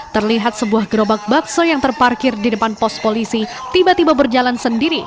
terlihat sebuah gerobak bakso yang terparkir di depan pos polisi tiba tiba berjalan sendiri